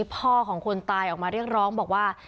พ่อของคนตายออกมาเรียกร้องบอกว่า